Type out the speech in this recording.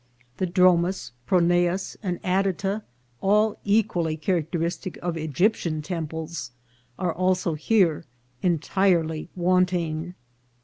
The dromos, pronaos, and adytum, all equally characteristic of Egyptian temples, are also here entirely wanting.